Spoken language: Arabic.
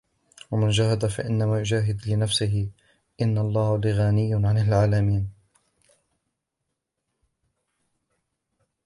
ومن جاهد فإنما يجاهد لنفسه إن الله لغني عن العالمين